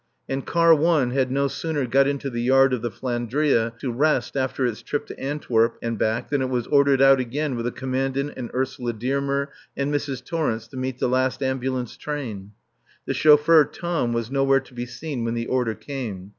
And Car 1 had no sooner got into the yard of the "Flandria" to rest after its trip to Antwerp and back than it was ordered out again with the Commandant and Ursula Dearmer and Mrs. Torrence to meet the last ambulance train. The chauffeur Tom was nowhere to be seen when the order came.